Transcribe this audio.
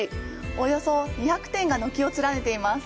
およそ２００店が軒を連ねています。